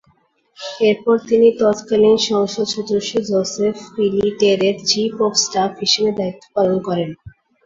এরপর তিনি তৎকালীন সংসদ সদস্য জোসেফ পিলিটেরের চীফ অব স্টাফ হিসেবে দায়িত্ব পালন করেন।